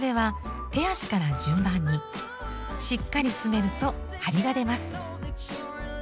しっかり詰めるとはりが出ます。